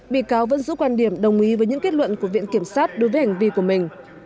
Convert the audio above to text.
bị cáo vẫn giữ quan điểm đồng ý với những kết luận của viện kiểm sát đối với hành vi của mình